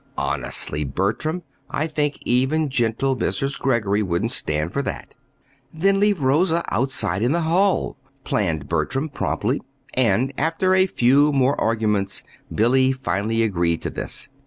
"Honestly, Bertram, I think even gentle Mrs. Greggory wouldn't stand for that." "Then leave Rosa outside in the hall," planned Bertram, promptly; and after a few more arguments, Billy finally agreed to this.